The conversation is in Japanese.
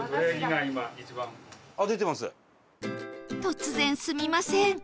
突然すみません